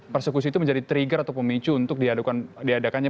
persekusi itu menjadi trigger atau pemicu untuk diadakan aduan untuk ya